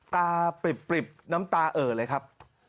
ปริบน้ำตาเอ่อเลยครับ